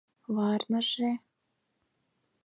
— Варныже.